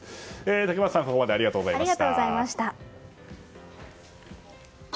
竹俣さん、ここまでどうもありがとうございました。